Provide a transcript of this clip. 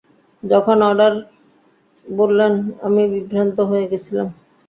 যখন অর্ডার বললেন, আমি বিভ্রান্ত হয়ে গেছিলাম।